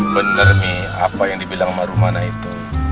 bener nih apa yang dibilang marumana itu